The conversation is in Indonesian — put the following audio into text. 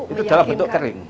itu dalam bentuk kering